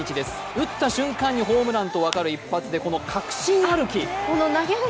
打った瞬間にホームランと分かる一発で、この確信歩き。